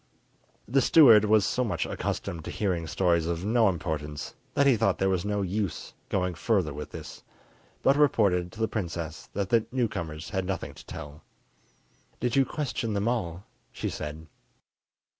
The steward was so much accustomed to hearing stories of no importance that he thought there was no use going further with this, but reported to the princess that the newcomers had nothing to tell. "Did you question them all?" she said.